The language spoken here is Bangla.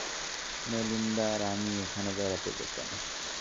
মেলিন্ডা আর আমি ওখানে বেড়াতে যেতাম।